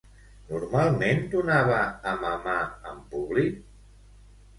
Normalment donava a mamar en públic?